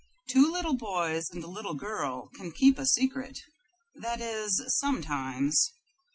Two little boys and a little girl can keep a secret that is, sometimes.